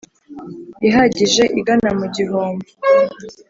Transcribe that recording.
ihagije igana mu gihombo